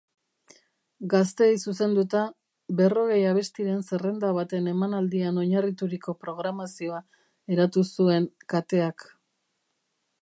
Gazteei zuzenduta, berrogei abestiren zerrenda baten emanaldian oinarrituriko programazioa eratu zuen kateak.